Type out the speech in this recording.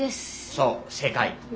そう正解。